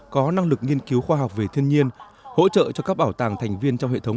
có năng lực nghiên cứu khoa học về thiên nhiên hỗ trợ cho các bảo tàng thành viên trong hệ thống